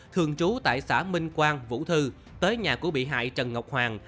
thường trú tại xã minh quang vũ thư tới nhà của bị hại trần ngọc hoàng